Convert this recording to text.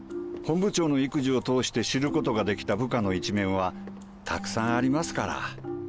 本部長の育児を通して知ることができた部下の一面はたくさんありますから。